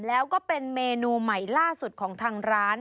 แล้วก็เป็นเมนูใหม่ล่าสุดของทางร้าน